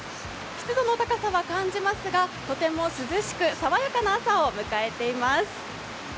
湿度の高さは感じますが、とても涼しく、爽やかな朝を迎えています。